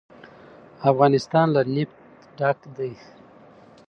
افغانستان له نفت ډک دی.